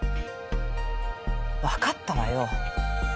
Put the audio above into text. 分かったわよ。